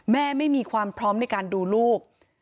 ไม่มีความพร้อมในการดูลูก